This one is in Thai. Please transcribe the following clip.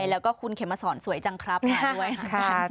แล้วก็คุณเขมสอนสวยจังครับมาด้วยค่ะ